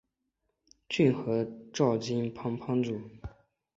骏河沼津藩藩主。